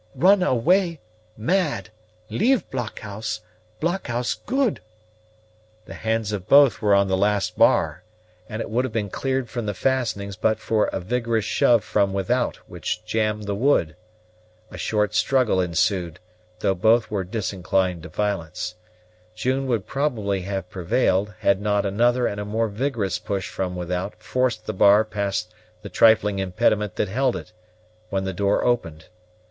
"Run away mad leave blockhouse; blockhouse good." The hands of both were on the last bar, and it would have been cleared from the fastenings but for a vigorous shove from without, which jammed the wood. A short struggle ensued, though both were disinclined to violence. June would probably have prevailed, had not another and a more vigorous push from without forced the bar past the trifling impediment that held it, when the door opened.